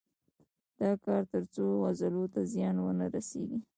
دا کار تر څو عضلو ته زیان ونه رسېږي.